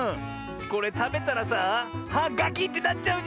これたべたらさあはガキッてなっちゃうんじゃないのこれ！